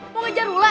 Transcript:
mau ngejar wulan